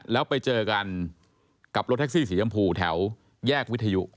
แล้วไปเจอกันกับรถแท็กซี่สีชมพูแถวแยกวิทยุ